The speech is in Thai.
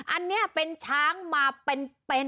อันนี้เป็นช้างมาเป็น